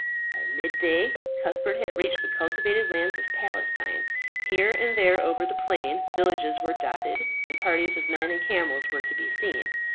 By mid day Cuthbert had reached the cultivated lands of Palestine. Here and there over the plain, villages were dotted, and parties of men and camels were to be seen.